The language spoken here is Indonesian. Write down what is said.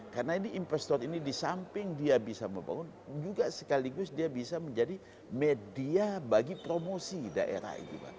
karena ini investor ini disamping dia bisa membangun juga sekaligus dia bisa menjadi media bagi promosi daerah itu